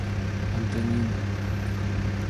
Антонина